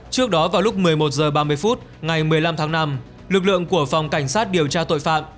trước đó vào lúc một mươi một h ba mươi phút ngày một mươi năm tháng năm lực lượng của phòng cảnh sát điều tra tội phạm